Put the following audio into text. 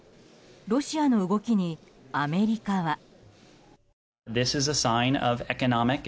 ロシアの動きに、アメリカは。